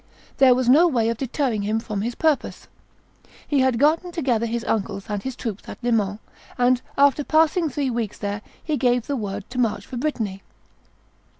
There was no way of deterring him from his purpose. He had got together his uncles and his troops at Le Mans; and, after passing three weeks there, he gave the word to march for Brittany.